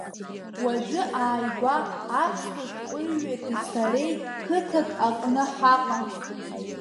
Уажәы ааигәа аԥсуа шәҟәыҩҩки сареи қыҭак аҟны ҳаҟан.